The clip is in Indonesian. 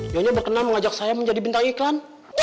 joni berkenan mengajak saya menjadi bintang iklan